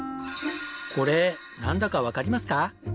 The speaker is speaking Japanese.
これなんだかわかりますか？